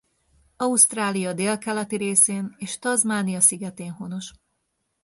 Ausztrália délkeleti részén és Tasmania szigetén honos.